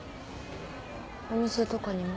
お店とかにも？